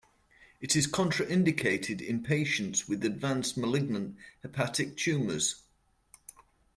It is contraindicated in patients with advanced malignant hepatic tumors.